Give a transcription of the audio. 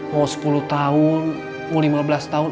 mau sepuluh tahun mau lima belas tahun